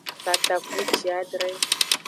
Katakpuciadre.